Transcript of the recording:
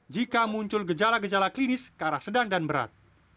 jika muncul gejala gejala klinis ke arah sedang dan berat